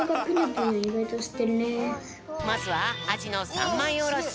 まずはアジの３まいおろし。